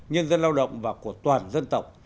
nhân dân lao động và của toàn dân tộc